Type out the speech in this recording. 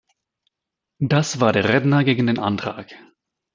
Das war der Redner gegen den Antrag.